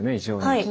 はい。